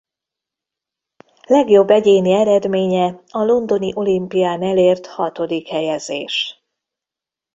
Legjobb egyéni eredménye a londoni olimpián elért hatodik helyezés.